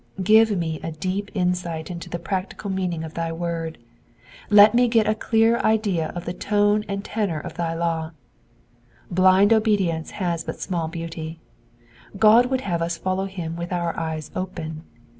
^^ Give me a deep insight into the practical meaning of thy word ; let me get a clear idea of the tone and tenor of thy law. Blind obedience has but small beauty ; God would have us follow him with our eyes open.